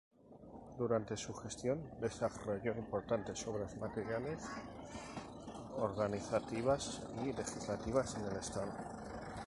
Durante su gestión desarrolló importantes obras materiales organizativas y legislativas en el estado.